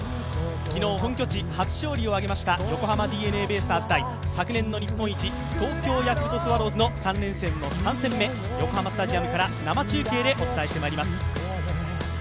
昨日、本拠地初勝利を挙げました横浜ＤｅＮＡベイスターズ対、昨年の日本一、東京ヤクルトスワローズの３連戦の３戦目、横浜スタジアムから生中継でお伝えしてまいります。